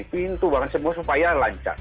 pintu bahkan semua supaya lancar